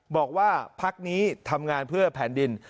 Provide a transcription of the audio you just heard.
บอกว่าพักนี้ทำงานเพื่อแผ่นดิน